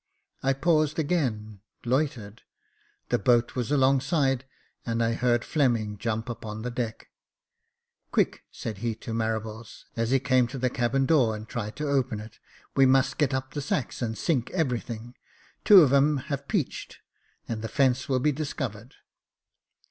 I paused again — loitered — the boat was alongside, and I heard Fleming jump upon the deck. " Quick," said he to Marables, as he came to the cabin door, and tried to open it ;*' we've no time to lose — we must get up the sacks, and sink everything. Two of them have 'peached, and the fence will be discovered."